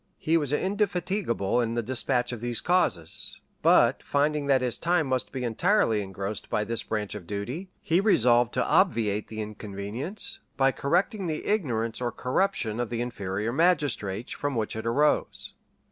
He was indefatigable in the despatch of these causes;[*] but finding that his time must be entirely engrossed by this branch of duty, he resolved to obviate the inconvenience, by correcting the ignorance or corruption of the inferior magistrates, from which it arose.